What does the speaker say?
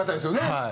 はい。